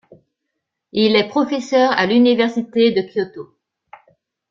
Il est professeur à l'université de Kyoto.